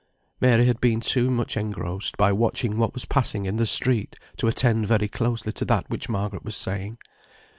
Mary had been too much engrossed by watching what was passing in the street to attend very closely to that which Margaret was saying.